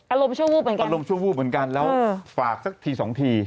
อารมณ์ชั่ววูบเหมือนกันอารมณ์ชั่ววูบเหมือนกันแล้วฝากสักทีสองที